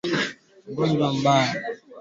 viazi lishe si kuchemsha na kukaanga tu